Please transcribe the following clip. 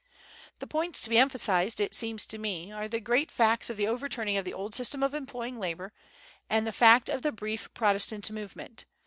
The points to be emphasized, it seems to me, are the great facts of the overturning of the old system of employing labor, and the fact of the brief Protestant movement.